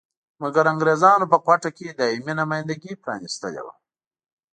مګر انګریزانو په کوټه کې دایمي نمایندګي پرانیستلې وه.